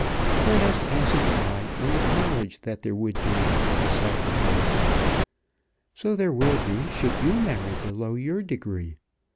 Let us pass it by, and acknowledge that there would be a sacrifice. So there will be should you marry below your degree.